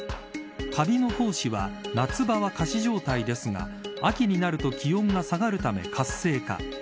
カビの胞子は夏場は仮死状態ですが、秋になると気温が下がるため活性化。